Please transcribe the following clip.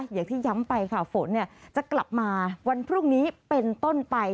อย่างที่ย้ำไปค่ะฝนจะกลับมาวันพรุ่งนี้เป็นต้นไป